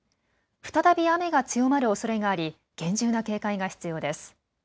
再び雨が強まるおそれがあり厳重な警戒が必要です。